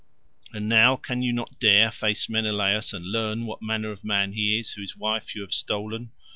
And now can you not dare face Menelaus and learn what manner of man he is whose wife you have stolen?